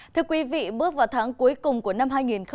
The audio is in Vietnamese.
thưa quý vị bước vào tháng cuối cùng của năm hai nghìn hai mươi